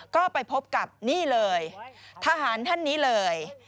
ก็ไปพบกับนี่เลยทหารท่านนี้เลย